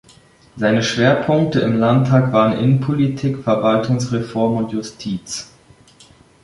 Seine Schwerpunkte im Landtag waren Innenpolitik, Verwaltungsreform und Justiz.